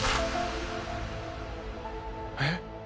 えっ。